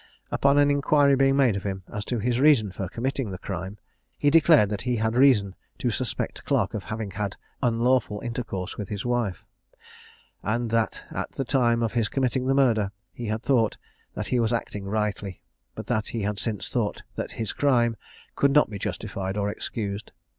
Upon an inquiry being made of him as to his reason for committing the crime, he declared that he had reason to suspect Clarke of having had unlawful intercourse with his wife; and that at the time of his committing the murder he had thought that he was acting rightly, but that he had since thought that his crime could not be justified or excused.